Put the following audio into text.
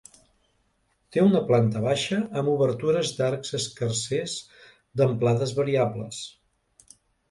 Té una planta baixa amb obertures d'arcs escarsers d'amplades variables.